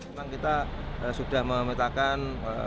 memang kita sudah memintakan